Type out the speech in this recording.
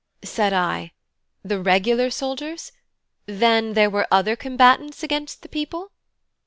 Said I: "The regular soldiers? Then there were other combatants against the people?"